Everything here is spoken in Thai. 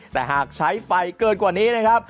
แต่หากใช้ไฟเกินกว่านี้นะครับ